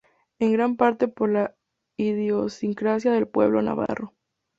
En gran parte por la idiosincrasia del pueblo navarro.